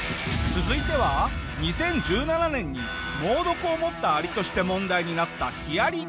続いては２０１７年に猛毒を持ったアリとして問題になったヒアリ。